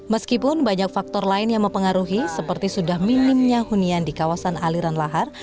meskipun banyak faktor lain yang mempengaruhi seperti sudah minimnya hunian di kawasan aliran lahar